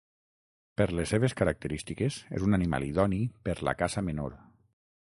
Per les seves característiques és un animal idoni per la caça menor.